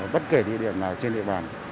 bất kể địa điểm nào trên địa bàn